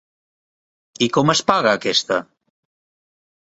I com es paga aquesta.?